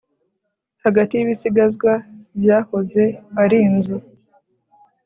Hagati yibisigazwa byahoze ari inzu